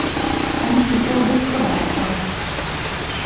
Antico vescovato.